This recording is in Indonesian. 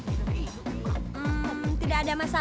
hmm tidak ada masalah